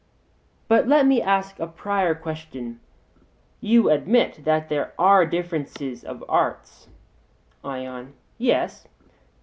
But let me ask a prior question: You admit that there are differences of arts? ION: Yes.